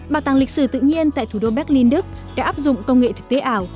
bảo tàng lịch sử tự nhiên tại thủ đô berlin đức đã áp dụng công nghệ thực tế ảo